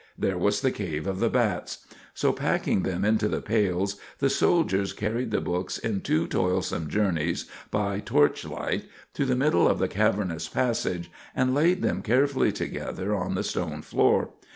there was the cave of the bats. So, packing them into the pails, the soldiers carried the books in two toilsome journeys by torch light to the middle of the cavernous passage, and laid them carefully together on the stone floor.